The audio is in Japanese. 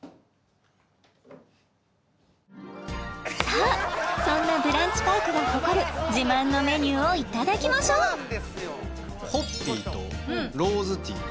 さあそんなブランチパークが誇る自慢のメニューを頂きましょうホッピーとローズティー